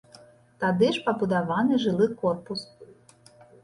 Тады ж пабудаваны жылы корпус.